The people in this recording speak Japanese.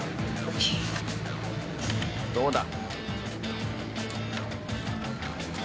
どうだ？